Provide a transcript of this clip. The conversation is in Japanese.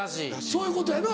そういうことやな。